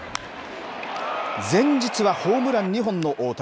前日はホームラン２本の大谷。